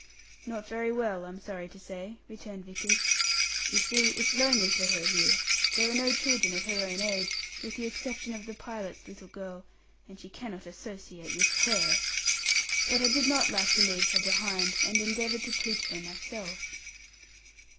"Not very well, I'm sorry to say," returned Vickers. "You see, it's lonely for her here. There are no children of her own age, with the exception of the pilot's little girl, and she cannot associate with her. But I did not like to leave her behind, and endeavoured to teach her myself."